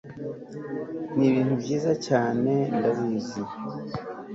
Nibintu byiza cyane ndabizi